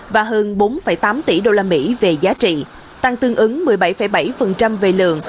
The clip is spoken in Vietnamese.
và hơn bốn tám tỷ đô la mỹ về giá trị tăng tương ứng một mươi bảy bảy về lượng